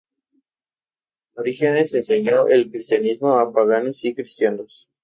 Orígenes enseñó el cristianismo a paganos y cristianos.